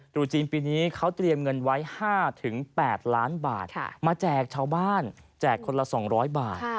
รุตจีนปีนี้เขาเตรียมเงินไว้๕๘ล้านบาทมาแจกชาวบ้านแจกคนละ๒๐๐บาท